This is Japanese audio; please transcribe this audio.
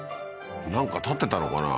なんか建ってたのかな？